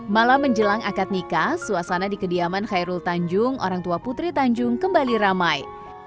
malam menjelang akad nikah suasana di kediaman khairul tanjung orang tua putri tanjung kembali ramai